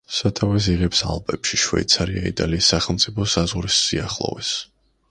სათავეს იღებს ალპებში, შვეიცარია-იტალიის სახელმწიფო საზღვრის სიახლოვეს.